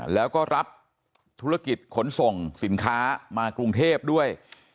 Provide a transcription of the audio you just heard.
แล้วก็รับธุรกิจขนส่งสินค้ามากรุงเทพด้วย